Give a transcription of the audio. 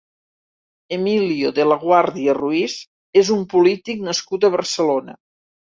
Emilio de La Guardia Ruiz és un polític nascut a Barcelona.